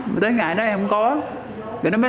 mà tới ngày đó em không có